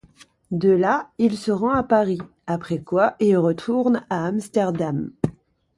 De là, il se rend à Paris, après quoi il retourne à Amsterdam.